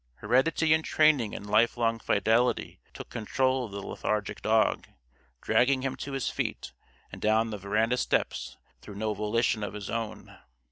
Heredity and training and lifelong fidelity took control of the lethargic dog, dragging him to his feet and down the veranda steps through no volition of his own.